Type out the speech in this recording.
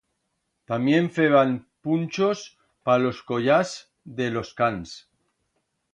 Tamién feban punchos pa los collars de los cans...